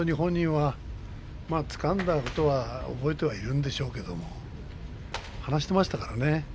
まげをつかんだこと覚えているんでしょうけども離していましたからね。